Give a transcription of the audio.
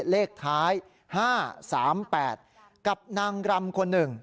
เลขท้าย๕๓๘กับนางรำคนหนึ่ง